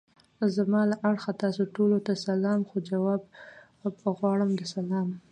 زما له اړخه تاسو ټولو ته سلام خو! جواب غواړم د سلام.